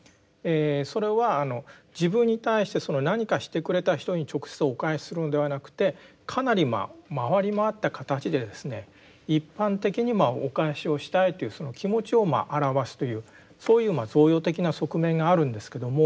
それはあの自分に対して何かしてくれた人に直接お返しするのではなくてかなり回り回った形で一般的にお返しをしたいという気持ちを表すというそういう贈与的な側面があるんですけども。